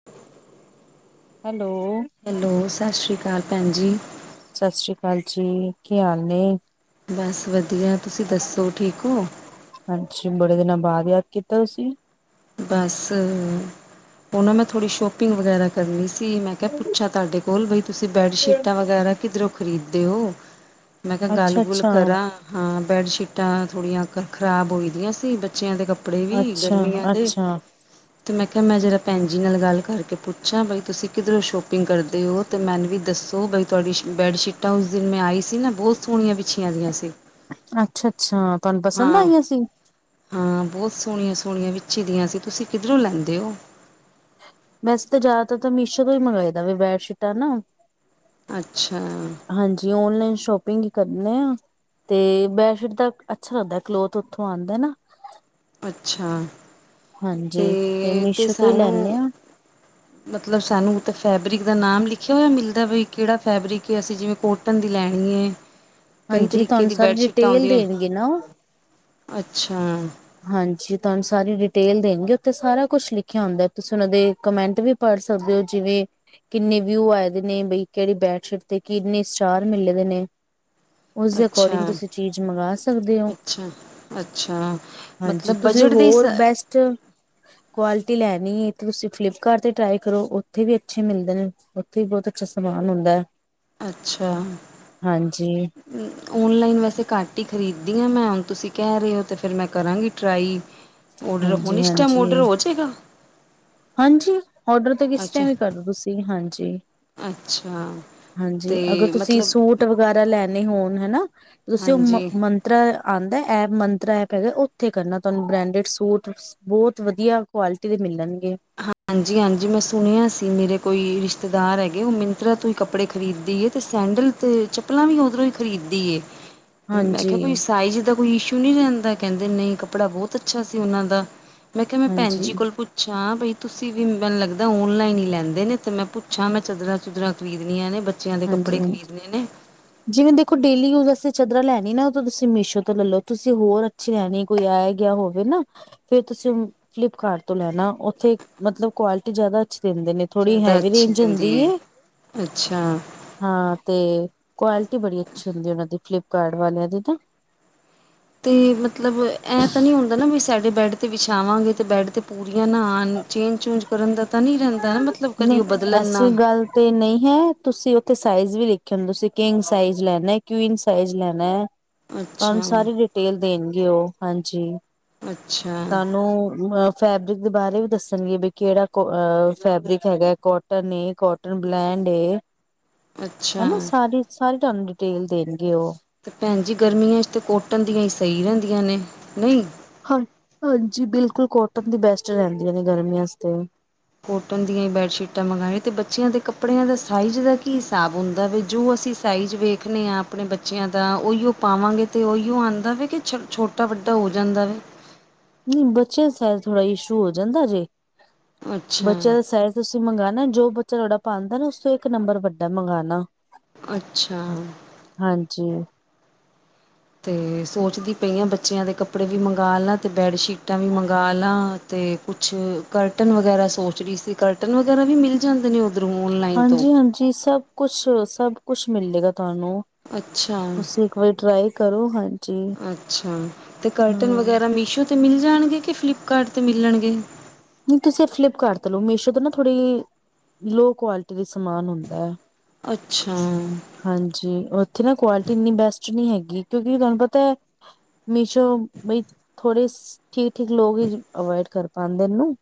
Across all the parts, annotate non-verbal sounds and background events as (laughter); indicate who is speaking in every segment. Speaker 1: (unintelligible)
Speaker 2: Hello.
Speaker 1: Hello, ਸਤਿ ਸ਼੍ਰੀ ਅਕਾਲ ਭੈਣ ਜੀ।
Speaker 2: ਸਤਿ ਸ਼੍ਰੀ ਅਕਾਲ ਜੀ, ਕੀ ਹਾਲ ਨੇ?
Speaker 1: ਬਸ ਵਧੀਆ, ਤੁਸੀਂ ਦੱਸੋ ਠੀਕ ਓ?
Speaker 2: ਹਾਂਜੀ, ਬੜੇ ਦਿਨਾਂ ਬਾਅਦ ਯਾਦ ਕੀਤਾ। ਤੁਸੀਂ?
Speaker 1: ਬਸ, ਓਨਾ ਮੈਂ ਥੋੜ੍ਹੀ ਸ਼ੋਪਿੰਗ ਵਗੈਰਾ ਕਰਨੀ ਸੀ। ਅਤੇ ਮੈਂ ਕਿਆ ਪੁੱਛਾ, ਤੁਹਾਡੇ ਕੋਲ ਬਈ ਤੁਸੀਂ ਬੈੱਡਸ਼ੀਟਾਂ ਵਗੈਰਾ ਕਿੱਧਰੋਂ ਖ਼ਰੀਦਦੇ ਓ। ਮੈਂ ਕਿਹਾ
Speaker 2: ਅੱਛਾ
Speaker 1: ਗੱਲ-ਗੁੱਲ
Speaker 2: ਅੱਛਾ
Speaker 1: ਕਰਾਂ। ਹਾਂ, ਬੈੱਡਸ਼ੀਟਾਂ ਥੋੜ੍ਹੀਆਂ ਕ ਖ਼ਰਾਬ ਹੋਈ ਦੀਆਂ ਸੀ, ਬੱਚੇਆਂ ਦੇ ਕੱਪੜੇ ਵੀ
Speaker 2: ਅੱਛਾ
Speaker 1: ਗਰਮੀਆਂ ਦੇ
Speaker 2: ਅੱਛਾ
Speaker 1: ਅਤੇ ਮੈਂ ਕਿਹਾ, ਮੈਂ ਜੇੜਾ ਭੈਣ ਜੀ ਨਾਲ ਗੱਲ ਕਰਕੇ ਪੁੱਛਾਂ, ਬਈ ਤੁਸੀਂ ਕਿੱਧਰੋਂ ਸ਼ੋਪਿੰਗ ਕਰਦੇ ਓ। ਤੇ ਮੈਨੂੰ ਵੀ ਦੱਸੋ, ਬਈ ਤੁਆਡੀ ਬੈਡਸ਼ੀਟਾਂ ਉਸ ਦਿਨ ਮੈਂ ਆਈ ਸੀ ਨਾ, ਬੋਤ ਸੋਹਣੀਆਂ ਬਿੱਛੀਆਂ ਹੋਈਆਂ ਸੀ।
Speaker 2: ਅੱਛਾ-ਅੱਛਾ, ਤੁਹਾਨੂੰ ਪਸੰਦ
Speaker 1: ਹਾਂ
Speaker 2: ਆਗੀਆਂ ਸੀ।
Speaker 1: ਹਾਂ, ਬੋਤ ਸੋਹਣੀਆਂ-ਸੋਹਣੀਆਂ ਵਿਛੀਦੀਆਂ ਸੀ, ਤੁਸੀਂ ਕਿੱਧਰੋਂ ਲੈਂਦੇ ਓ?
Speaker 2: ਵੈਸੇ ਤਾਂ ਜ਼ਿਆਦਾਤਰ, ਤਾਂ ਮੀਸ਼ੋ ਤੋਂ ਹੀ ਮੰਗਾਈਦਾ ਵਾ, ਬੈਡਸ਼ੀਟਾਂ ਨਾ
Speaker 1: ਅੱਛਾ।
Speaker 2: ਹਾਂਜੀ, ਓਨਲਾਈਨ ਸ਼ੋਪਿੰਗ ਹੀ ਕਰਨੇ ਆ। ਤੇ ਬੈਡਸ਼ੀਟ ਦਾ ਅੱਛਾ ਲੱਗਦਾ, ਕਲੋਥ ਉੱਥੋਂ ਆਂਦਾ ਨਾ।
Speaker 1: ਅੱਛਾ,
Speaker 2: ਹਾਂਜੀ ਤੇ
Speaker 1: ਤੇ-ਤੇ
Speaker 2: ਮੀਸ਼ੋ ਤੋਂ ਹੀ
Speaker 1: ਸਾਨੂੰ
Speaker 2: ਲੈਂਦੇ ਹਾਂ
Speaker 1: ਮਤਲਬ, ਸਾਨੂੰ ਤਾਂ ਫੈਬਰਿਕ ਦਾ ਨਾਮ ਲਿਖਿਆ ਹੋਇਆ ਮਿਲਦਾ। ਵੀ ਕਿਹੜਾ ਫੈਬਰਿਕ ਹੈ। ਅਸੀਂ ਜਿਵੇਂ ਕੋਟ ਕੋਟਨ ਦੀ ਲੈਣੀ ਹੈ, ਕਈ
Speaker 2: ਹਾਂਜੀ
Speaker 1: ਤਰੀਕੇ
Speaker 2: ਤੁਹਾਨੂੰ
Speaker 1: ਦੀ
Speaker 2: ਸਾਰੀ
Speaker 1: ਬੈੱਡਸ਼ੀਟਾਂ
Speaker 2: ਡਿਟੇਲ
Speaker 1: ਆਉਂਦੀਆਂ।
Speaker 2: ਦੇਣਗੇ ਨਾ ਉਹ
Speaker 1: ਅੱਛਾ।
Speaker 2: ਹਾਂਜੀ ਤੂਆਨ ਸਾਰੀ ਡਿਟੇਲ ਦੇਨਗੇ, ਉਥੇ ਸਾਰਾ ਕੁੱਛ ਲਿਖੇਆ ਹੁੰਦੈ ਤੁਸੀਂ ਉਨਾਂ ਦੇ ਕਮੈਂਟ ਵੀ ਪੜ ਸਕਦੇ ਓ ਜਿਵੇਂ ਕਿੰਨੇ ਵਿਊ ਆਏ ਦੇ ਨੇ, ਬਈ ਕੇੜੀ ਬੈਡਸ਼ੀਟ ਤੇ ਕਿੰਨੇ ਸਟਾਰ ਮਿਲੇ ਦੇ ਨੇ। ਉਸਦੇ ਅਕੋਰਡਿੰਗ
Speaker 1: ਅੱਛਾ
Speaker 2: ਤੂਸੀ ਚੀਜ ਮੰਗਾ ਸਕਦੇ ਓ।
Speaker 1: ਅੱਛਾ ਅੱਛਾ, ਮਤਲਬ ਬਜਟ ਦੇ ਸ
Speaker 2: ਚ ਕੁਆਲਿਟੀ ਲੈਣੀ ਐ, ਤੂਸੀ ਫਲਿੱਪਕਾਰਟ ਤੇ ਟਰਾਈ ਕਰੋ, ਉਥੇ ਵੀ ਅੱਛੇ ਮਿਲਦੇ ਨੇ। ਉਥੇ ਵੀ ਬੋਤ ਅੱਛਾ ਸਮਾਨ ਹੁੰਦੈ।
Speaker 1: ਅੱਛਾ। ਔਨਲਾਈਨ ਵੈਸੇ ਘਾੱਟ ਈ ਖਰੀਦਦੀ ਆਂ ਮੈਂ, ਹੁਨ ਤੂਸੀ ਕੈਹ ਰਏ ਓ ਤੇ ਫੇਰ ਮੈਂ ਕਰਾਂਗੀ ਟਰਾਈ। ਔਡਰ ਹੋਨ
Speaker 2: ਹਾਂਜੀ
Speaker 1: ਇਸ ਟੈਮ ਔਡਰ
Speaker 2: ਹਾਂਜੀ
Speaker 1: ਹੋ ਜੇਗਾ?
Speaker 2: ਹਾਂਜੀ, ਔਡਰ ਤਾਂ ਕਿਸ
Speaker 1: ਅੱਛਾ
Speaker 2: ਟੈਮ ਵੀ ਕਾਰਦੋ ਤੂਸੀ, ਹਾਂਜੀ।
Speaker 1: ਅੱਛਾ ਤੇ
Speaker 2: ਹਾਂਜੀ, ਅਗਰ ਤੂਸੀ
Speaker 1: ਮਤਲਬ
Speaker 2: ਸੂਟ ਵਗੈਰਾ ਲੈਨੇ ਹੋਨ, ਹੈਨਾ, ਤੂਸੀ ਓ ਮ
Speaker 1: ਹਾਂਜੀ
Speaker 2: ਮੰ ਤਰਾ ਆਂਦੈ ਐਪ, ਮੰਤਰਾ ਐਪ ਹੈਗੈ, ਓਥੇ ਕਰਨਾ ਤੂਆਨੂੰ ਬ੍ਰੇਂਡੇਡ ਸੂਟ ਬੋਤ ਵਦੀਆ ਕੁਆਲਿਟੀ ਦੇ ਮਿਲਨਗੇ।
Speaker 1: ਹਾਂਜੀ-ਹਾਂਜੀ, ਮੈਂ ਸੁਣੇਆ ਸੀ ਮੇਰੇ ਕੋਈ ਰਿਸ਼ਤੇਦਾਰ ਹੈਗੇ, ਓ ਮਿੰਤਰਾ ਤੋਂ ਈ ਕੱਪੜੇ ਖਰੀਦਦੀ ਏ ਤੇ ਸੈਂਡਲ ਤੇ ਚੱਪਲਾਂ ਵੀ ਓਦਰੋਂ ਈ ਖਰੀਦਦੀ ਏ। ਮੈਂ
Speaker 2: ਹਾਂਜੀ
Speaker 1: ਕੇਆ ਕੋਈ ਸਾਈਜ ਦਾ ਕੋਈ ਇਸ਼ੂ ਨੀ ਰੈਂਦਾ, ਕੈਂਦੇ ਨਈ ਕੱਪੜਾ ਬੋਤ ਅੱਛਾ ਸੀ ਓਨਾਂ ਦਾ। ਮੈਂ ਕੇਆ ਮੈਂ ਭੈਨ
Speaker 2: ਹਾਂਜੀ
Speaker 1: ਜੀ ਕੋਲ ਪੂੱਛ ਹਾਂ ਬਈ ਤੂਸੀ ਵੀ ਮੈਨ ਲੱਗਦੈ ਓਨਲਾਈਨ ਈ ਲੈਂਦੇ ਨੇ, ਤੇ ਮੈਂ ਪੁੱਛਾਂ ਮੈਂ ਚਦਰਾਂ-ਚੁਦਰਾਂ ਖਰੀਦਨੀਆਂ ਨੇ ਬੱਚ
Speaker 2: ਹਾਂਜੀ-ਹਾਂਜੀ। ਜਿਵੇਂ ਦੇਖੋ ਡੇਲੀ ਯੂਜ਼ ਅਸਤੇ ਚਦਰਾਂ ਲੈਨੀ ਨਾ ਓ ਤਾ ਤੂਸੀ ਮੀਸ਼ੋ ਤੋ ਲੈਲੋ, ਤੂਸੀ ਹੋਰ ਛੀ ਲੇਣੀ, ਕੋਈ ਆਏਆ ਗੇਆ ਹੋਵੇ ਨਾ ਫੇਰ ਤੂਸੀ ਫਲਿੱਪਕਾਰਟ ਤੋਂ ਲੈਨਾ, ਓਥੇ ਮਤਲਬ ਕੁਆਲਿਟੀ ਜ਼ਾਦਾ ਅੱਛੀ ਦੇਂਦੇ ਨੇ। ਥੋੜੀ
Speaker 1: ਜ਼ਿਆਦਾ
Speaker 2: ਹੈਵੀ
Speaker 1: ਅੱਛੀ
Speaker 2: ਰੇਂਜ
Speaker 1: ਦਿੰਦੀ
Speaker 2: ਹੁੰਦੀ ਏ।
Speaker 1: ਅੱਛਾ।
Speaker 2: ਹਾਂ ਤੇ ਕੁਆਲਿਟੀ ਬੜੀ ਅੱਛੀ ਹੁੰਦੀ ਏ, ਉਨਾਂ ਦੀ ਫਲਿੱਪਕਾਰਟ ਵਾਲੇਆਂ ਦੀ ਨਾਂ।
Speaker 1: ਤੇ ਮਤਲਬ ਐਂ ਤਾ ਨੀ ਹੁੰਦਾ ਨਾ, ਵੀ ਸਾਡੇ ਬੈਡ ਤੇ ਵਿਛਾਵਾਂਗੇ, ਤੇ ਬੈਡ ਤੇ ਪੂਰੀਆਂ ਨਾ ਆਨ? ਚੇਂਜ-ਚੂਂਜ ਕਰਨ ਦਾ ਤਾਂ ਨੀ ਰੈਂਦਾ ਨਾ ਮਤਲਬ? ਕਦੀ
Speaker 2: ਨਈ
Speaker 1: ਉਹ ਬਦਲਣ ਨਾ
Speaker 2: ਐਸੀ ਗਾੱਲ ਤੇ ਨਈ ਹੈ, ਤੂਸੀ ਓਥੇ ਸਾਈਜ ਵੀ ਲਿਖੇ ਨੇ, ਤੂਸੀ ਕਿੰਗ ਸਾਈਜ ਲੈਨੈ, ਕਵੀਨ ਸਾਈਜ ਲੈਨੈ। ਤੂਆਨ
Speaker 1: ਅੱਛਾ
Speaker 2: ਸਾਰੀ ਡਿਟੇਲ ਦੇਨਗੇ ਓ ਹਾਂਜੀ,
Speaker 1: ਅੱਛਾ
Speaker 2: ਤਾਨੂੰ ਅ ਫੈਬਰਿਕ ਦੇ ਬਾਰੇ ਵੀ ਦੱਸਨਗੇ ਵੀ, ਕੈੜਾ ਕੋ ਫੈਬਰਿਕ ਹੈਗੈ, ਕੋਟਨ ਏ, ਕੋਟਨ ਬਲੈਂਡ ਏ,
Speaker 1: ਅੱਛਾ
Speaker 2: ਹਨਾ ਸਾਰੀ ਸਾਰੀ ਤੂਆਨ ਡਿਟੇਲ ਦੇਨਗੇ ਓ।
Speaker 1: ਤੇ ਭੈਨ ਜੀ ਗਰਮੀਆਂ ਚ ਤੇ ਕੋਟਨ ਦੀਆਂ ਈ ਸਈ ਰੈਂਦੀਆਂ ਨੇ, ਨਈ?
Speaker 2: ਹਾਂ, ਹਾਂਜੀ ਬਿਲਕੁਲ ਕੋਟਨ ਦੀ ਬੈਸਟ ਰੈਂਦੀਆਂ ਨੇ ਗਰਮੀਆਂ ਚ ਤੇ।
Speaker 1: ਕੋਟਨ ਦੀਆਂ ਈ ਬੈਡਸ਼ੀਟਾਂ ਮੰਗਾਏ, ਤੇ ਬੱਚੇਆਂ ਦੇ ਕੱਪੜੇਆਂ ਦਾ ਸਾਈਜ ਦਾ ਕੀ ਸ੍ਹਾਬ ਹੁੰਦੈ ਵੀ ਜੋ ਅਸੀਂ ਸਾਈਜ ਵੇਖਨੇ ਆਂ ਅਪਣੇ ਬੱਚੈਆਂ ਦਾ ਔਈਓ ਪਾਵਾਂਗੇ ਤੇ ਔਈਓ ਆਂਦੈ ਵੇ ਕੇ ਛੋ ਛੋਟ ਟਾ ਵੱਡਾ ਹੋ ਜਾਂਦਾ ਵੇ?
Speaker 2: ਨੀਂ ਬੱਚੇਆਂ ਦਾ ਸਾਈਜ਼ ਥੋੜਾ ਇਸ਼ੂ ਹੋ ਜਾਂਦਾ ਜੇ,
Speaker 1: ਅੱਛਾ
Speaker 2: ਬੱਚੇਆਂ ਦਾ ਸਈਜ਼ ਤੂਸੀ ਮੰਗਾਨੈ, ਜੋ ਬੱਚਾ ਤੂਆਡਾ ਪਾਂਦੈ ਨਾ, ਉਸ ਤੋ ਏਕ ਨੰਬਰ ਵੱਡਾ ਮੰਗਾਨਾ।
Speaker 1: ਅੱਛਾ।
Speaker 2: ਹਾਂਜੀ।
Speaker 1: ਤੇ ਸੋਚਦੀ ਪਈ ਆਂ ਬੱਚੇਆਂ ਦੇ ਕੱਪੜੇ ਵੀ ਮੰਗਾ ਲਾਂ, ਤੇ ਬੈੱਡਸ਼ੀਟਾਂ ਵੀ ਮੰਗਾ ਲਾਂ ਤੇ ਕੁਛ ਕਰਟਨ ਵਗੈਰਾ ਸੋਚ ਰਈ ਸੀ ਕਰਟਨ ਵਗੈਰਾ ਵੀ ਮਿਲ ਜਾਂਦੇ ਨੇ ਉੱਧਰੋਂ ਔਨਲਾਈਨ ਤੋਂ
Speaker 2: ਹਾਂਜੀ-ਹਾਂਜੀ ਸਭ ਕੁਛ-ਸਭ ਕੁਛ ਮਿਲੇਗਾ ਤਾਨੂੰ
Speaker 1: ਅੱਛਾ
Speaker 2: ਤੁਸੀਂ ਇੱਕ ਵਾਰੀ ਟਰਾਈ ਕਰੋ ਹਾਂਜੀ।
Speaker 1: ਅੱਛਾ ਤੇ
Speaker 2: ਹਾਂ
Speaker 1: ਕਰਟਨ ਵਗੈਰਾ ਮੀਸ਼ੋ ਤੇ ਮਿਲ ਜਾਣਗੇ ਕਿ ਫਲਿੱਪਕਾਰਟ ਤੇ ਮਿਲਣਗੇ।
Speaker 2: ਨੀ ਤੁਸੀਂ ਫਲਿੱਪਕਾਰਟ ਤੋਂ ਲੋ ਮੀਸ਼ੋ ਤੋਂ ਨਾ ਥੋੜ੍ਹੀ ਲੋ ਕੁਆਲਿਟੀ ਦਾ ਸਮਾਨ ਹੁੰਦਾ।
Speaker 1: ਅੱਛਾ
Speaker 2: ਹਾਂਜੀ ਉੱਥੇ ਨਾ ਕੁਆਲਿਟੀ ਇੰਨੀ ਬੈਸਟ ਨੀ ਹੈਗੀ ਕਿਉਂਕਿ ਤਾਨੂੰ ਪਤਾ ਮੀਸ਼ੋ ਬਈ ਥੋੜੇ ਠੀਕ-ਠੀਕ ਲੋਕ ਈ ਅਵੋਇਡ ਕਰ ਪਾਂਦੇ ਨਾਂ।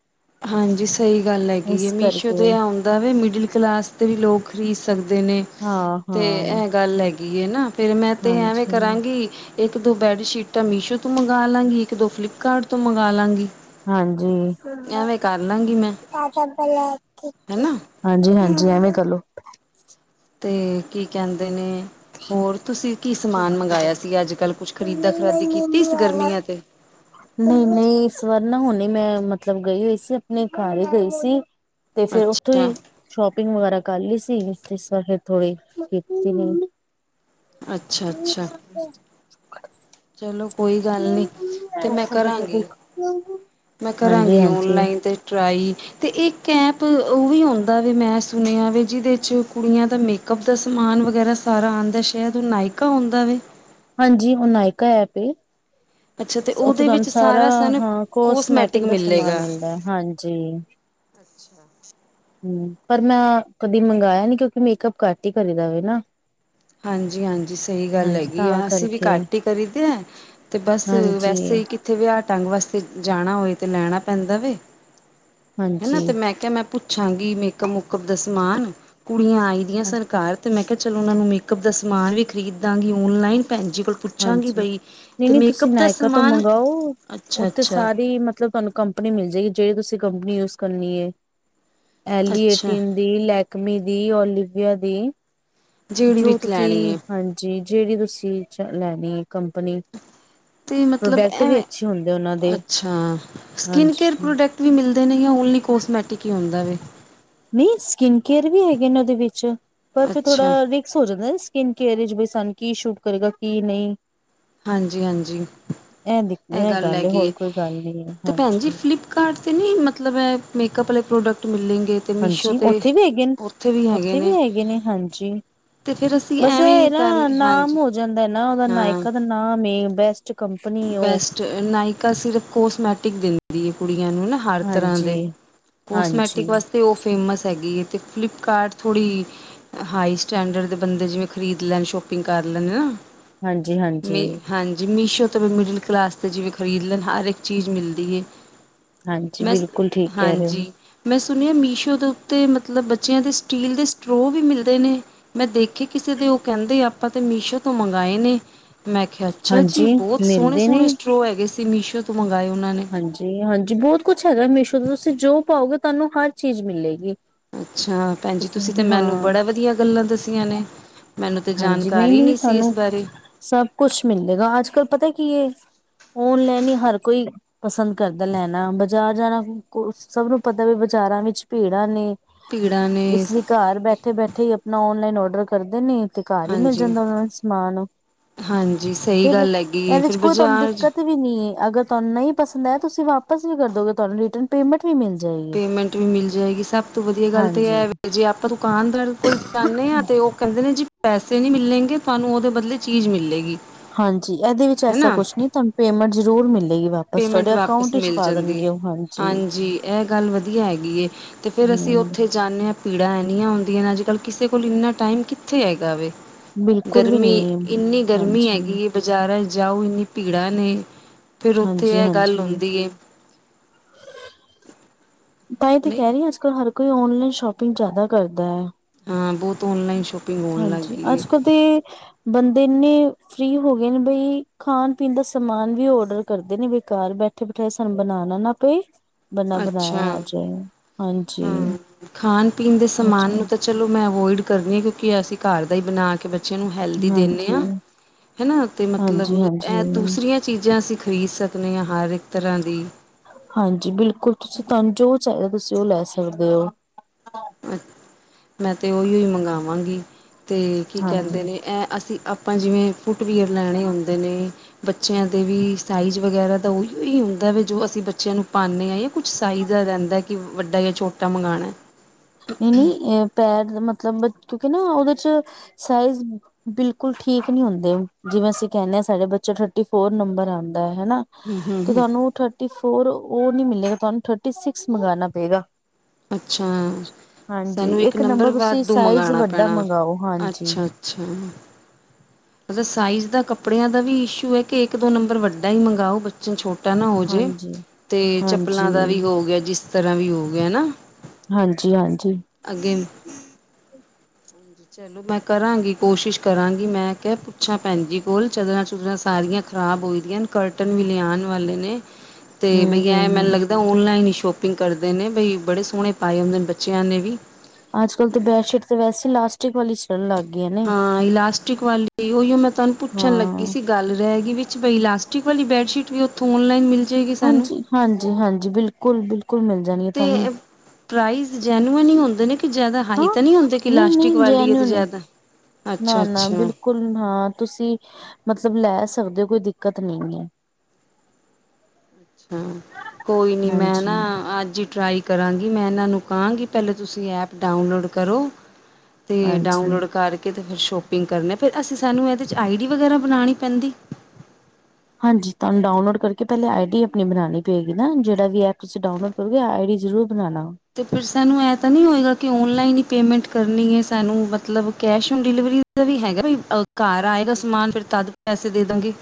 Speaker 1: ਹਾਂਜੀ ਸਈ ਗੱਲ ਹੈਗੀ ਏ ਮੀਸ਼ੋ
Speaker 2: ਕਰਕੇ
Speaker 1: ਤੇ ਆਉ ਦਾ ਵੇ ਮਿਡਲ ਕਲਾਸ ਤੇ ਵੀ ਲੋਕ ਖਰੀਦ ਸਕਦੇ ਨੇ ਤੇ
Speaker 2: ਹਾਂ-ਹਾਂ,
Speaker 1: ਏ ਗੱਲ ਹੈਗ ਗੀ ਏ ਨਾ ਫਿਰ ਮੈਂ ਤੇ ਐਵੇਂ
Speaker 2: ਹਾਂਜੀ-ਹਾਂਜੀ।
Speaker 1: ਕਰਾਂਗੀ। ਇੱਕ ਦੋ ਬੈੱਡਸ਼ੀਟਾਂ ਮੀਸ਼ੋ ਤੋਂ ਮੰਗਾ ਲਾਂਗੀ ਇੱਕ ਦੋ ਫਲਿੱਪਕਾਰਟ ਤੋਂ ਮੰਗਾ ਲਾਂਗੀ।
Speaker 2: ਹਾਂਜੀ
Speaker 1: ਐਵੇਂ ਕਰ ਲਾਂਗੀ ਮੈਂ ਹੈਨਾ
Speaker 2: ਹਾਂਜੀ-ਹਾਂਜੀ ਐਵੇਂ ਕਰਲੋ।
Speaker 1: ਤੇ ਕੀ ਕੈਂਦੇ ਨੇ। ਹੋਰ ਤੁਸੀਂ ਕੀ ਸਮਾਨ ਮੰਗਾਇਆ ਸੀ ਅੱਜ ਕੱਲ੍ਹ ਕੁਛ ਖਰੀਦਾ
Speaker 2: ਮੰਮੀ
Speaker 1: ਖਰਾਦੀ ਕੀਤੀ ਸੀ ਗਰਮੀਆਂ ਤੇ (inaudible)
Speaker 2: ਨਈ-ਨਈ ਇਸ ਵਾਰ ਨਾ ਹੁਣੇ ਮੈਂ ਮਤਲਬ ਗਈ ਹੋਈ ਸੀ ਆਪਣੇ ਘਰ ਈ ਗਈ ਸੀ। ਤੇ ਫਿਰ ਉੱਥੋਂ
Speaker 1: ਅੱਛਾ
Speaker 2: ਈ। ਸ਼ੋਪਿੰਗ ਵਗੈਰਾ ਕਰ ਲੀ ਸੀ ਇਸ ਵਾਰ ਫਿਰ ਥੋੜੇ ਤੀ ਮੈਂ ਕਿਆ ਚਲੋ।
Speaker 1: ਅੱਛਾ ਅੱਛਾ
Speaker 2: (inaudible)
Speaker 1: ਚਲੋ ਕੋਈ ਗੱਲ ਨੀ ਤੇ ਮੈਂ ਕਰਾਂਗੀ। ਮੈਂ
Speaker 2: ਹਾਂਜੀ
Speaker 1: ਕਰਾਂਗੀ
Speaker 2: ਹਾਂਜੀ
Speaker 1: ਓਨਲਾਈਨ ਤੇ ਟਰਾਈ। ਤੇ ਇੱਕ ਐਪ ਉਹ ਵੀ ਹੁੰਦਾ ਵੇ ਮੈਂ ਸੁਣਿਆ ਵੀ ਜੇਦੇ 'ਚ ਕੁੜੀਆਂ ਦਾ ਮੇਕ ਕਪ ਦਾ ਸਮਾਨ ਵਗੈਰਾ ਸਾਰਾ ਆਂਦਾ ਸ਼ਾਇਦ ਓ ਨਾਇਕਾ ਹੁੰਦਾ ਵੈ
Speaker 2: ਹਾਂਜੀ ਹੁਣ ਨਾਇਕਾ ਐਪ ਏ।
Speaker 1: ਅੱਛਾ ਤੇ
Speaker 2: ਉੱਥੇ
Speaker 1: ਉਹਦੇ
Speaker 2: ਤੁਹਾਨੂੰ
Speaker 1: ਵਿੱਚ
Speaker 2: ਸਾਰਾ
Speaker 1: ਸਾਨੂੰ
Speaker 2: ਹਾਂ ਕੋਸਮੈਟਿਕ ਦਾ ਸਮਾਨ
Speaker 1: ਮਿਲੇਗਾ
Speaker 2: ਮਿਲਦਾ ਹੈ ਹਾਂਜੀ।
Speaker 1: (inaudible)
Speaker 2: ਹੂੰ ਪਰ ਮੈਂ ਕਦੀ ਮੰਗਾਇਆ ਨੀ ਕਿਉਂਕਿ ਮੇਕਅਪ ਘੱਟ ਹੀ ਕਰੀਦਾ ਵੇ ਨਾ।
Speaker 1: ਹਾਂਜੀ-ਹਾਂਜੀ ਸਈ ਗੱਲ
Speaker 2: ਹਾਂਜੀ
Speaker 1: ਹੈਗੀ।
Speaker 2: ਤਾਂ
Speaker 1: ਅਸੀਂ ਵੀ
Speaker 2: ਕਰਕੇ
Speaker 1: ਘੱਟ ਹੀ ਕਰੀਦੈ ਤੇ ਬਸ
Speaker 2: ਹਾਂਜੀ
Speaker 1: ਵੈਸੇ ਕਿ ਉੱਥੇ ਵੀ ਆਹ ਢੰਗ ਵਾਸਤੇ ਜਾਣਾ ਹੋਏ ਤੇ ਲੈਣਾ ਪੈਂਦਾ ਵੇ ਹਨਾ
Speaker 2: ਹਾਂਜੀ
Speaker 1: ਤੇ ਮੈਂ ਕਿਆ ਮੈਂ ਪੁੱਛਾਂਗੀ ਮੇਕਅਪ ਮੁੱਕਅਪ ਦਾ ਸਮਾਨ ਕੁੜੀਆਂ ਆਈ ਦੀਆਂ ਸਨ ਘਾਰ ਤੇ ਮੈਂ ਕਿਆ ਚਲੋ ਉਹਨਾਂ ਨੂੰ ਮੇਕਅ ਮੇਕਅਪ ਦਾ ਸਮਾਨ ਵੀ ਖਰੀਦਾਂਗੀ ਔਨਲਾਈਨ ਭੈਣ ਜੀ ਕੋਲ ਪੁੱਛਾਂਗੀ
Speaker 2: ਹਾਂਜੀ
Speaker 1: ਬਈ ਤੇ
Speaker 2: ਨਈ-ਨਈ ਤੁਸੀਂ
Speaker 1: ਮੇਕਅਪ ਦਾ
Speaker 2: ਨਾਇਕਾ ਤੋਂ
Speaker 1: ਸਮਾਨ
Speaker 2: ਮੰਗਾਓ
Speaker 1: ਅੱਛਾ
Speaker 2: ਉੱਥੇ
Speaker 1: ਅੱਛਾ
Speaker 2: ਸਾਰੀ ਮਤ ਮਤਲਬ ਤੁਹਾਨੂੰ ਕੰਪਨੀ ਮਿਲ ਜਾਏਗੀ ਜੇੜੀ ਤੁਸੀਂ ਕੰਪਨੀ ਯੂਜ ਕਰਨੀ ਏ ਏਲੀ
Speaker 1: ਅੱਛਾ
Speaker 2: ਏਟੀਨ ਦੀ ਲੈਕਮੀ ਦੀ ਓਲੀਵੀਆ ਦੀ
Speaker 1: ਜਿਹੜੀ ਵੀ
Speaker 2: ਜੋ ਤੁਸੀਂ
Speaker 1: ਲੈਣੀ ਹੈ
Speaker 2: ਹਾਂਜੀ ਜੇੜੀ ਤੁਸੀਂ 'ਚ ਲੈਣੀ ਏ ਕੰਪਨੀ
Speaker 1: ਮਤਲਬ
Speaker 2: ਪ੍ਰੋਡਕਟ ਵੀ
Speaker 1: ਏਵੇ
Speaker 2: ਅੱਛੇ ਹੁੰਦੇ ਉਹਨਾਂ ਦੇ
Speaker 1: ਅੱਛਾ ਸਕਿਨ ਕੇਅਰ
Speaker 2: ਹਾਂਜੀ
Speaker 1: ਪ੍ਰੋਡਕਟ ਵੀ ਮਿਲਦੇ ਨੇ ਯਾ ਓਨਲੀ ਕੋਸਮੈਟਿਕ ਹੀ ਹੁੰਦਾ ਵੇ
Speaker 2: ਨਈ ਸਕਿੰਨ ਕੇਅਰ ਵੀ ਹੈਗੇ ਨੇ ਉਹਦੇ ਵਿੱਚ ਪਰ ਫਿਰ
Speaker 1: ਅੱਛਾ
Speaker 2: ਥੋੜਾ ਰ ਸੋ ਜਾਂਦਾ ਸਕਿਨ ਕੇਅਰ ਬ ਸਾਨੂੰ ਕੀ ਸ਼ੂਟ ਕਰੇਗਾ ਕੀ ਨਈ।
Speaker 1: ਹਾਂਜੀ-ਹਾਂਜੀ
Speaker 2: ਦਿ
Speaker 1: ਇਹ ਗੱਲ ਹੈਗੀ
Speaker 2: ਹੋਰ
Speaker 1: ਏ
Speaker 2: ਕੋਈ ਗੱਲ ਨੀ ਹੈ
Speaker 1: ਤੇ ਭੈਣ ਜੀ
Speaker 2: ਹਾਂਜੀ
Speaker 1: ਫਲਿੱਪ ਕਾਰਟ ਤੇ ਨੀ ਮਤਲਬ ਐ ਮੇਕਅਪ ਵਾਲੇ ਪ੍ਰੋਡਕਟ ਮਿਲੇਗੇ? ਤੇ ਮੀਸ਼ੋ
Speaker 2: ਹਾਂਜੀ
Speaker 1: ਤੇ
Speaker 2: ਉੱਥੇ ਵੀ ਹੈਗੇ ਨ। ਉੱਥੇ ਵੀ ਹੈਗੇ ਨੇ ਹਾਂਜੀ।
Speaker 1: ਤੇ ਫਿਰ ਅਸੀਂ
Speaker 2: ਬਸ
Speaker 1: ਐਵੇਂ
Speaker 2: ਇਹ
Speaker 1: ਹੀ
Speaker 2: ਅ ਨਾ,
Speaker 1: ਕਰ
Speaker 2: ਨਾਮ
Speaker 1: ਹਾਂਜੀ
Speaker 2: ਹੋ ਜਾਂਦਾ ਨਾ ਉਹਦਾ
Speaker 1: ਹਾਂ
Speaker 2: ਨਾਇਕਾ ਦਾ ਨਾ ਨਾਮ ਏ ਬੈਸਟ ਕੰਪਨੀ ਐ ਉਹ
Speaker 1: ਬੈਸਟ ਨਾਇਕਾ ਸਿਰਫ ਕੋਸਮੈਟਿਕ ਦਿੰਦੀ ਏ ਕੁੜੀਆਂ ਨੂੰ ਨਾ। ਹਰ ਤਰ੍ਹਾਂ
Speaker 2: ਹਾਂਜੀ
Speaker 1: ਦੇ ਕੋਸਮੈਟਿਕ
Speaker 2: ਹਾਂਜੀ
Speaker 1: ਵਾਸਤ ਤੇ ਉਹ ਫੇਮਸ ਹੈਗੀ ਏ ਤੇ ਫਲਿੱਪਕਾਰਟ ਥੋੜ੍ਹੀ ਹਾਈ ਸਟੈਂਡਰਡ ਦੇ ਬੰਦੇ ਜਿਵੇਂ ਖਰੀਦ ਲੈਣ ਸ਼ੋਪਿੰਗ ਕਰ ਲੈਦੇ ਨ
Speaker 2: ਹਾਂਜੀ ਹਾਂਜੀ
Speaker 1: ਮੀ ਹਾਂਜੀ, ਮੀਸ਼ੋ ਤੋ ਮਿਡਲ ਕਲਾਸ 'ਤੇ ਜਿਵੇਂ ਖਰੀਦ ਲੈਣ ਹਰ ਇੱਕ ਚੀਜ਼ ਮਿਲਦੀ ਏ
Speaker 2: ਹਾਂਜੀ
Speaker 1: ਮੈਂ ਸ,
Speaker 2: ਬਿਲਕੁਲ ਠੀਕ ਕਹਿ ਰਹੇ ਹੋ
Speaker 1: ਹਾਂਜੀ। ਮੈਂ ਸੁਣਿਆ ਮੀਸ਼ੋ ਦੇ ਉੱਤੇ ਮਤਲਬ ਬੱਚਿਆਂ ਦੇ ਸਟੀਲ ਦੇ ਸਟਰੋਅ ਵੀ ਮਿਲਦੇ ਨੇ? ਮੈਂ ਦੇਖੀ ਕਿਸੇ ਦੇ ਉਹ ਕਹਿੰਦੇ ਆਪਾਂ ਤੇ ਮੀਸ਼ੋ ਤੋਂ ਮੰਗਾਏ ਨੇ। ਮੈਂ ਕਿਹਾ ਅੱਛਾ ਜੀ
Speaker 2: ਹਾਂਜੀ
Speaker 1: ਬਹੁਤ ਸੋਹਣੇ
Speaker 2: ਮਿਲਦੇ ਨੇ
Speaker 1: -ਸੋਹਣੇ ਸਟੋਅ ਹੈਗੇ ਸੀ, ਮੀਸ਼ੋ ਤੋਂ ਮੰਗਵਾਏ ਉਹਨਾਂ ਨੇ।
Speaker 2: ਹਾਂਜੀ ਹਾਂਜੀ ਬਹੁਤ ਕੁਛ ਹੈਗਾ ਮੀਸ਼ੋ ਤੋਂ, ਤੁਸੀਂ ਜੋ ਪਾਓਗੇ ਤੁਹਾਨੂੰ ਹਰ ਚੀਜ਼ ਮਿਲੇਗੀ।
Speaker 1: ਅੱਛਾ ਭੈਣ ਜੀ ਤੁਸੀਂ ਤਾਂ ਮੈਨੂੰ ਬੜਾ ਵਧੀਆ ਗੱਲਾਂ ਦੱਸੀਆਂ ਨੇ। ਮੈਨੂੰ ਤਾਂ
Speaker 2: ਹਾਂਜੀ ਨਈ
Speaker 1: ਜਾਣਕਾਰੀ
Speaker 2: ਨਈ
Speaker 1: ਨਹੀਂ ਸੀ ਇਸ
Speaker 2: ਸਾਨੂੰ
Speaker 1: ਬਾਰੇ
Speaker 2: ਸਭ ਕੁਛ ਮਿਲੇਗਾ, ਅੱਜ ਕੱਲ੍ਹ ਪਤਾ ਕੀ ਏ ਔਨਲਾਈਨ ਏ ਹਰ ਕੋਈ ਪਸੰਦ ਕਰਦਾ ਲੈਣਾ ਬਾਜ਼ਾਰ ਜਾਣਾ ਸਭ ਨੂੰ ਪਤਾ ਵੀ ਬਾਜ਼ਾਰਾਂ ਵਿੱਚ ਭੀੜਾਂ ਨੇ
Speaker 1: ਭੀੜਾਂ ਨੇ
Speaker 2: ਇਸ ਲਈ ਘਰ ਬੈਠੇ -ਬੈਠੇ ਹੀ ਆਪਣਾ ਓਨਲਾਈਨ ਔਡਰ ਕਰਦੇ ਨੀ ਅ ਤੇ ਘਰ ਹੀ ਮਿਲ
Speaker 1: ਹਾਂਜੀ
Speaker 2: ਜਾਂਦਾ ਉਹਨਾਂ ਨੂੰ ਸਮਾਨ,
Speaker 1: ਹਾਂਜੀ ਸਹੀ
Speaker 2: ਇਹਦੇ-
Speaker 1: ਗੱਲ ਹੈਗੀ ਏ।
Speaker 2: ਇਹਦੇ ਚ
Speaker 1: ਫਿਰ
Speaker 2: ਕੋਈ ਤੁਹਾਨੂੰ
Speaker 1: ਬਾਜ਼ਾਰ 'ਚ
Speaker 2: ਦਿੱਕਤ ਨ ਨੀ ਐ, ਅਗਰ ਤੁਹਾਨੂੰ ਨਹੀਂ ਪਸੰਦ ਆਇਆ ਤੁਸੀਂ ਵਾਪਸ ਵੀ ਕਰਦੋਗੇ ਤਾਨੂੰ ਰਿਟਨ ਪੇਮੈਂਟ ਵੀ ਮਿਲ ਜੇਗੀ।
Speaker 1: ਪੇਮੈਂਟ ਵੀ ਮਿਲ ਜੇਗੀ ਸਭ ਤੋਂ ਵਧੀਆ ਗੱਲ ਤੇ ਇਹ
Speaker 2: ਹਾਂਜੀ
Speaker 1: ਐ ਜੇ ਆਪਾਂ ਨੂੰ ਦੁਕਾਨਦਾਰ ਕੋਲ ਜਾਂਦੇ ਆ ਤੇ ਉਹ ਕਹਿੰਦੇ ਨੇ ਜੀ ਪੈਸੇ ਨਹੀਂ ਮਿਲੇਗੇ, ਤੁਹਾਨੂੰ ਉਹਦੇ ਬਦਲੇ ਚੀਜ਼ ਮਿਲੇਗੀ।
Speaker 2: ਹਾਂਜੀ ਇਹਦੇ ਵਿੱਚ ਐਸਾ
Speaker 1: ਹਨਾ
Speaker 2: ਕੁਛ ਨੀ, ਤੁਹਾਨੂੰ ਪੇਮੈਂਟ ਜ਼ਰੂਰ ਮਿਲੇਗੀ ਵਾ ਏਸ
Speaker 1: ਪੇਮੈਂਟ
Speaker 2: ਸਾਡੇ
Speaker 1: ਵਾਪਿਸ
Speaker 2: ਅਕਾਊਂਟ ਚ
Speaker 1: ਮਿਲ
Speaker 2: ਪਾ
Speaker 1: ਜਾਂਦੀ
Speaker 2: ਦੇਣਗੇ
Speaker 1: ਹੈ
Speaker 2: ਉਹ
Speaker 1: ਹਾਂਜੀ ਏਹ ਗੱਲ ਵਧੀਆ ਹੈਗੀ ਹੇ, ਤੇ ਫ਼ਿਰ ਅਸੀਂ
Speaker 2: ਹਮ
Speaker 1: ਉੱਥੇ ਜਾਂਨਿਆ ਭੀੜਾਂ ਐੰਨੀਆਂ ਹੁੰਦੀਆਂ ਅੱਜ ਕੱਲ੍ਹ ਕਿਸੇ ਕੋਲ ਇੰਨਾ ਟਾਈਮ ਕਿੱਥੇ ਹੈਗਾ ਵੇ
Speaker 2: ਬਿਲਕੁਲ ਵੀ
Speaker 1: ਗਰਮੀ
Speaker 2: ਨਹੀਂ
Speaker 1: ਇੰਨੀ ਗਰਮੀ
Speaker 2: ਹਾਂਜੀ
Speaker 1: ਹੈਗੀ ਏ। ਬਾਜ਼ਾਰਾਂ ਜਾਓ ਇੰਨੀ ਭੀੜਾਂ ਨੇ ਫਿਰ ਉੱਥੇ
Speaker 2: ਹਾਂਜੀ
Speaker 1: ਇਹ ਗੱਲ
Speaker 2: ਹਾਂਜੀ
Speaker 1: ਹੁੰਦੀਏ
Speaker 2: ਤਾਂ ਹੀ ਤੇ
Speaker 1: ਨਹੀਂ
Speaker 2: ਕਹਿ ਰਹੀ ਹਾਂ। ਅੱਜਕੱਲ ਹਰ ਕੋਈ, ਓਨਲਾਈਨ ਸ਼ੋਪਿੰਗ ਜਿਆਦਾ ਕਰਦਾ ਐ।
Speaker 1: ਹਾਂ ਬਹੁਤ ਔਨਲਾਈਨ ਸ਼ੋਪਿੰਗ ਹੋਣ ਲੱਗ
Speaker 2: ਹਾਂਜੀ!
Speaker 1: ਗਈ
Speaker 2: ਅੱਜਕਲ ਤੇ ਬੰਦੇ ਇੰਹਨੇਂ ਫ੍ਰਰੀ ਹੋ ਗਏ ਨੇ ਬਈ। ਖਾਨ ਪੀਨ ਦਾ ਸਮਾਨ ਵੀ ਔਡਰ ਕਰਦੇ ਨੇ ਬਈ ਘਰ ਬੈਠ ਠੇ- ਬਿਠਾਏ ਸਾਨੂੰ ਬਨਾਨਾ ਨਾ ਪਏ। ਬੰਨਾ ਬਣਾਇਆ ਆ- ਜਾਏ ਹਾਂਜੀ
Speaker 1: ਹੂੰ! ਖਾਨ ਪੀਨ ਦੇ ਸਮਾਨ
Speaker 2: ਅੱਛਾ
Speaker 1: ਨੂੰ ਤੇ ਚਲੋ ਮੈਂ ਅਵੋਇਡ ਕਰਦੀ ਆ। ਕਿਉਂਕਿ ਅਸੀ ਘਰ ਦਾ ਹੀ ਬਨਾ ਕੇ ਬ ਚੇ ਨੂੰ ਹੈਲਦੀ ਦਿੰਨੇਂ
Speaker 2: ਹਾਂਜੀ
Speaker 1: ਆ। ਹਨਾ, ਤੇ ਮਤਲਬ
Speaker 2: ਹਾਂਜੀ
Speaker 1: ਇਹ
Speaker 2: ਹਾਂਜੀ
Speaker 1: ਦੂਸਰੀਆਂ ਚੀਜਾਂ ਅਸੀ ਖਰੀਦ ਸਕਨਿਆਂ ਹਰ ਇੱਕ ਤਰਾਂ ਦੀ।
Speaker 2: ਹਾਂਜੀ! ਬਿਲਕੁਲ ਤੁਸੀ, ਤਾਨੂੰ ਜੋ ਚਾਹੀਦਾ, ਤੁਸੀ ਉਹ ਲੈ ਸਕਦੇ ਓ।
Speaker 1: ਅ ਮੈਂ ਤੇ ਉਹੀਓ ਹੀ ਮੰਗਾਵਾਂਗੀ। ਤੇ ਕੀ ਕਹਿੰਦੇ
Speaker 2: ਹਾਂਜੀ
Speaker 1: ਨੇਂ? ਐਂ ਅਸੀਂ ਆਪਾਂ ਜਿਵੇਂ ਫੁੱਟਵੀਅਰ ਲੈਣੇ ਹੁੰਦੇਂ ਨੇਂ ਬੱਚਿਆਂ ਦੇ ਵੀ ਸਾਈਜ ਵਗੈਰਾ ਤਾ ਉਹੀਓ ਹੀ ਹੁੰਦਾ ਵੇ। ਜੋ ਅਸੀ ਬੱਚਿਆਂ ਨੂੰ ਪਾਉਂਨੇ ਆ ਏ। ਕੁਛ ਸਾਈਜ ਦਾ ਰਹਿੰਦਾ, ਕਿ ਵੱਡਾ ਯਾ ਛੋਟਾ ਮੰਗਾਣਾ ਐ।
Speaker 2: ਨਈਂ-ਨਈਂ ਆ ਪੈਰ ਤੇ ਮਤਲਬ ਬਚ ਕਿਉਂਕਿ ਨਾ ਉਹਦੇ ਚ ਸਾਈਜ਼ ਬਿਲਕੁਲ ਠੀਕ ਨੀ ਹੁੰਦੇ ਜਿਵੇਂ ਅਸੀਂ ਕਹਿੰਨੇਂ ਹਾਂ ਸਾਡੇ ਬੱਚੇ ਥਰਟੀ ਫੋਰ ਨੰਬਰ ਆਂਦਾ ਹਨਾ। ਤੇ ਤੁਹਾਨੂੰ ਥਰਟੀ ਫੋਰ ਉਹ ਨੀ ਮਿਲੇਗਾ ਤੁਹਾਨੂੰ ਥਰਟੀ ਸਿਕਸ ਮੰਗਾਨਾ ਪਏਗਾ।
Speaker 1: ਅੱਛਾ
Speaker 2: ਹਾਂਜੀ
Speaker 1: ਸਾਨੂੰ ਇੱਕ ਨੰਬਰ
Speaker 2: ਤੁਸੀਂ
Speaker 1: ਵਾਧੂ
Speaker 2: ਸਾਈਜ਼
Speaker 1: ਮੰਗਾਉਣਾ
Speaker 2: ਵੱਡਾ
Speaker 1: ਪੈਣਾ
Speaker 2: ਮੰਗਵਾਓ ਹਾਂਜੀ
Speaker 1: ਅੱਛਾ। ਅੱਛਾ ਉਸਦੇ ਸਾਈਜ਼ ਦਾ ਕੱਪੜਿਆਂ ਦਾ ਵੀ ਇਸ਼ੂ ਹੈ ਕਿ ਇੱਕ ਦੋ ਨੰਬਰ ਵੱਡਾ ਹੀ ਮੰਗਾਓ ਬਚ ਚਾ ਛੋਟਾ ਨਾ ਹੋ ਜੇ
Speaker 2: ਹਾਂਜੀ
Speaker 1: ਤੇ
Speaker 2: ਹਾਂਜੀ
Speaker 1: ਚੱਪਲਾਂ ਦਾ ਵੀ ਹੋ ਗਿਆ ਜਿਸ ਤਰਾ ਵੀ ਹੋ ਗਿਆ ਨਾ।
Speaker 2: ਹਾਂਜੀ-ਹਾਂਜੀ
Speaker 1: ਅੱਗੇ ਹਾਂਜੀ ਚਲੋ ਮੈਂ ਕਰਾਂਗੀ ਕੋਸ਼ਿਸ਼ ਕਰਾਂਗੀ, ਮੈਂ ਕਿਹਾ ਪੁੱਛਾ ਭੈਨ ਜੀ ਕੋਲ ਚਦਰਾ-ਚੁਦਰਾ ਸਾਰੀਆ ਖਰਾਬ ਹੋਈ ਦੀਆਨ। ਕਰਟਨ ਵੀ ਲਿਆਉਨ ਵਾਲੇ ਨੇ। ਤੇ
Speaker 2: ਹਮ
Speaker 1: ਬਈ ਇਹ ਮੈਨੂੰ
Speaker 2: ਹਮ
Speaker 1: ਲੱਗਦਾ ਔਨਲਾਈਨ ਹੀ ਸ਼ੋਪਿੰਗ ਕਰਦੇ ਨੇ ਬਈ ਬੜੇ ਸੋਹਣੇ ਪਾਏ ਹੁੰਦੇ ਨੇ ਬੱਚਿਆ ਨੇ ਵੀ।
Speaker 2: ਅੱਜਕੱਲ ਤੇ ਬੈਡਸ਼ੀਟ ਤੇ ਵੈਸੀ ਲੈਸ ਟਿਕ ਵਾਲੀ ਚੱਲਣ ਲੱਗ ਗਈ ਏ ਨਾ।
Speaker 1: ਹਾਂ ਇਲਾਸਟਿਕ ਵਾਲੀ ਉਹੀਓ ਮੈਂ ਤੁਹਾਨੂੰ ਪੁੱਛਨ ਲੱਗੀ
Speaker 2: ਹਾਂ
Speaker 1: ਸੀ। ਗੱਲ ਰਹਿ ਗਈ ਵਿੱਚ ਬਈ ਇਲਾਸਟਿਕ ਵਾਲੀ ਬੈਡਸ਼ੀਟ ਵੀ ਉੱਥੋਂ ਔਨਲਾਈਨ ਮਿਲ ਜਾਏਗੀ ਸਾਨੂੰ
Speaker 2: ਹਾਂਜੀ-ਹਾਂਜੀ, ਹਾਂਜੀ ਬਿਲਕੁਲ-ਬਿਲਕੁਲ ਮਿਲ ਜਾਨੀ ਏ
Speaker 1: ਤੇ
Speaker 2: ਤੁਹਾਨ।
Speaker 1: ਪ੍ਰਾਈਜ਼ ਜੈਨੁਯਅਨ ਹੀ ਹੁੰਦੇ ਨੇ। ਕਿ ਜਾਦਾ ਹਾਈ
Speaker 2: ਹਾਂ
Speaker 1: ਤੇ ਨੀ ਹੁੰਦੇ ਕਿ
Speaker 2: ਨਹੀਂ-ਨਹੀਂ
Speaker 1: ਲਾਸਟਿਕ ਵਾਲੀ ਹੈ ਤੇ
Speaker 2: ਜੈਨਿਊਨ
Speaker 1: ਜਾਦਾ ਅੱਛਾ-ਅੱਛਾ।
Speaker 2: ਕੁਲ ਹਾਂ ਤੁਸੀਂ ਮਤਲਬ ਲੈ ਸਕਦੇ ਹੋ ਕੋਈ ਦਿੱਕਤ ਨਈ ਹੈ।
Speaker 1: ਅੱਛਾ ਕੋਈ ਨੀ ਮੈਂ ਨਾ
Speaker 2: ਹਾਂਜੀ-ਹਾਂਜੀ।
Speaker 1: ਅੱਜ ਹੀ ਟਰਾਈ ਕਰਾਂਗੀ ਮੈਂ ਇਹਨਾਂ ਨੂੰ ਕਹਾਂਗੀ ਪਹਿਲੇ ਤੁਸੀ ਐਪ ਡਾਊਨਲੋਡ ਕਰੋ। ਤੇ
Speaker 2: ਹਾਂਜੀ
Speaker 1: ਡਾਉਨਲੋਡ ਕਰਕੇ ਤੇ ਫਿਰ ਸ਼ੋਪਿੰਗ ਕਰਨੇ, ਫਿਰ ਇਸ ਚ ਸਾਨੂੰ ਇਹਦੇ ਚ ਆਈ ਡੀ ਵਗੈਰਾ ਬਣਾਉਣੀ ਪੈਂਦੀ?
Speaker 2: ਹਾਂਜੀ ਤੁਹਾਨੂੰ ਡਾਉਨਲੋਡ ਕਰਕੇ ਪਹਿਲੇ ਆਈ ਡੀ ਆਪਣੀ ਬਣਾਉਣੀ ਪਏਗੀ ਨਾ ਜਿਹੜਾ ਵੀ ਐਪ ਤੁਸੀ ਡਾਉਨਲੋਡ (unintelligible) ਆਈ ਡੀ ਜਰੂਰ ਬਨਾਨਾ।
Speaker 1: ਤੇ ਫਿਰ ਸਾਹਨੂੰ ਇਹ ਤਾ ਨੀ ਹੋਏਗਾ ਕਿ ਔਨਲਾਈਨ ਹੀ ਪੇਮੈਂਟ ਕਰਨੀ ਹੈ ਸਾਨੂੰ ਮਤਲਬ ਕੈਸ਼ ਓਨ ਡਿਲੀਵਰੀ ਓਹ ਵੀ ਹੈਗਾ ਏ ਆਹ ਘਰ ਆਏਗਾ ਸਮਾਨ ਫੇਰ ਤੱਦ ਪੈਸੇ ਦੇਦਾਂਗੀ।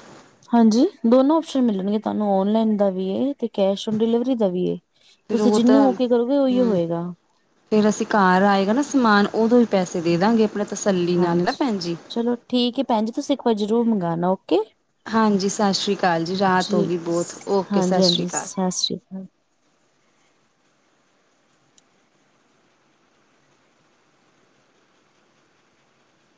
Speaker 2: ਹਾਂਜੀ ਦੋਨੋ ਓਪਸ਼ਨ ਮਿਲਨਗੇ ਤੁਹਾਨੂੰ ਔਨਲਾਈਨ ਦਾ ਵੀ ਏ ਤੇ ਕੈਸ਼ ਓਨ ਡਿਲੀਵਰੀ ਦਾ ਵੀ ਏ।
Speaker 1: ਫਿਰ
Speaker 2: ਤੁਸੀ
Speaker 1: ਉਹ
Speaker 2: ਜਿਹਨੂੰ ਓ ਕੇ ਕਰੋਗੇ, ਉਹੀਓ ਹੋਏਗਾ।
Speaker 1: ਫੇਰ ਅਸੀ ਘਰ ਆਏਗਾ ਨਾ ਸਮਾਨ ਉਦੋ ਹੀ ਪੈਸੇ ਦੇ ਦਾਂਗੇ। ਆਪਣਾ ਤਸੱਲੀ ਨਾਲ ਨਾ
Speaker 2: ਹਾਂਜੀ
Speaker 1: ਭੈਣ ਜੀ
Speaker 2: ਚਲੋ ਠੀਕ ਹੈ ਭੈਨ ਜੀ ਤੁਸੀ ਇੱਕ ਵਾਰੀ ਜਰੂਰ ਮੰਗਾਨਾ ਓਕੇ।
Speaker 1: ਹਾਂਜੀ ਸਤਿ ਸ਼੍ਰੀ ਅਕਾਲ ਰਾਤ ਹੋ
Speaker 2: ਜੀ
Speaker 1: ਗਈ ਬਹੁਤ
Speaker 2: ਸ
Speaker 1: ਓਕੇ ਸਤਿ ਸ਼੍ਰੀ
Speaker 2: ਹਾਂਜੀ-ਹਾਂਜੀ
Speaker 1: ਅਕਾਲ
Speaker 2: ਸਸ ਸ੍ਰੀ ਕਾਲ।